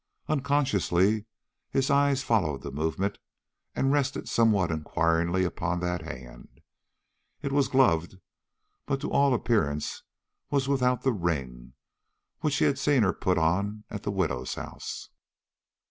Unconsciously his eye followed the movement, and rested somewhat inquiringly upon that hand. It was gloved, but to all appearance was without the ring which he had seen her put on at the widow's house.